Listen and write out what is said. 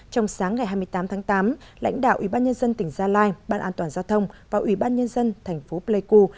trong sáng ngày hai mươi tám tháng tám lãnh đạo ủy ban nhân dân tỉnh gia lai ban an toàn giao thông và ủy ban nhân dân thành phố pleiku